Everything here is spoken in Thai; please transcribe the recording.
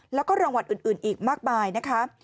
แล้วก็รางวัลอื่นอีกมากมายนะคะ